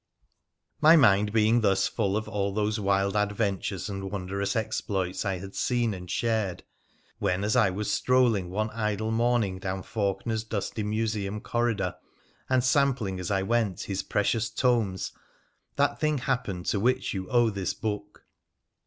My mind being thus full of all those wild adventures and wondrous exploits I had seen and shared, when, as 1 was strolling one idle morning down Faulkener's dusty museum corridor, and sampling as I went his precious tomes, that thing happened to which you owe this book.